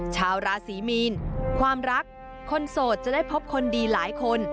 ชาวราศีมีนความรักคนโสดจะได้พบคนดีหลายคน